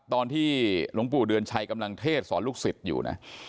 ตอนที่หลวงปู่เดือนชัยกำลังเทศสอนลูกศิษย์อยู่นะ